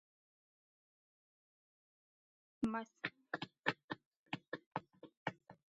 მასალების შეგროვება მან ჯერ კიდევ მაშინ დაიწყო როცა საისტორიო-საეთნოგრაფიო საზოგადოების ქუთაისის გამგეობას თავმჯდომარეობდა.